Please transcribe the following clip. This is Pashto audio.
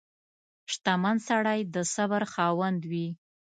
• شتمن سړی د صبر خاوند وي.